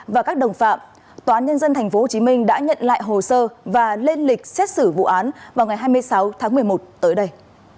và các đồng phạm tnthhcm đã nhận lại hồ sơ và lên lịch xét xử vụ án vào ngày hai mươi sáu tháng một mươi một tới đây